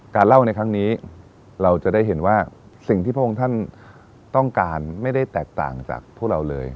เล่าในครั้งนี้เราจะได้เห็นว่าสิ่งที่พระองค์ท่านต้องการไม่ได้แตกต่างจากพวกเราเลย